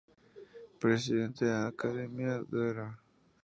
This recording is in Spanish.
Presidente de Academia: Dra.